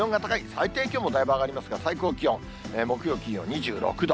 最低気温もだいぶ上がりますが、最高気温、木曜、金曜、２６度。